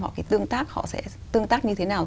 họ cái tương tác họ sẽ tương tác như thế nào